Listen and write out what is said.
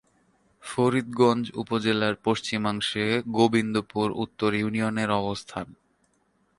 ফরিদগঞ্জ উপজেলার পশ্চিমাংশে গোবিন্দপুর উত্তর ইউনিয়নের অবস্থান।